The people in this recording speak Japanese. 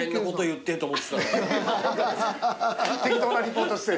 適当なリポートして。